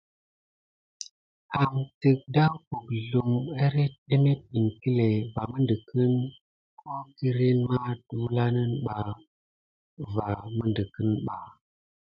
Amteke dà pukzlumo émet iŋkle va midikine ho kirni mà delulani ba va midikiba.